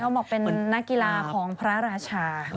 เค้าบอกเป็นนกีฬาของพระรัชา